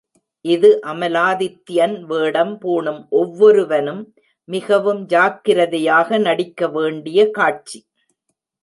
இது அமலாதித்யன் வேடம் பூணும் ஒவ்வொருவனும் மிகவும் ஜாக்கிரதையாக நடிக்க வேண்டிய காட்சி.